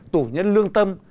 tù nhân lương tâm